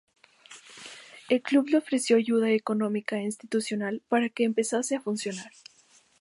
El club le ofreció ayuda económica e institucional para que empezase a funcionar.